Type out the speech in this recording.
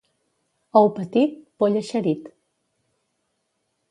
Ou petit, poll eixerit.